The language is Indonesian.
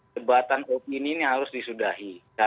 jembatan opini ini harus disudahi